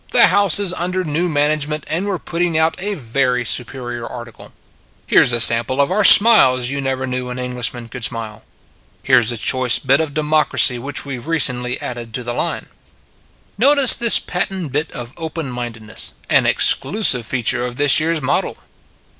The House is under new management and we re putting out a very superior article. " Here s a sample of our smiles you never knew an Englishman could smile. " Here s a choice bit of democracy which we Ve recently added to the line. 10 It s a Good Old World " Notice this patent bit of openmind edness, an exclusive feature of this year s model."